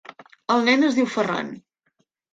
El nen es diu Ferran.